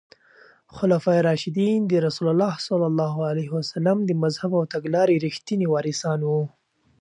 خلفای راشدین د رسول الله ص د مذهب او تګلارې رښتیني وارثان وو.